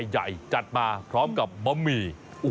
จัดมาพร้อมกับบะหมี่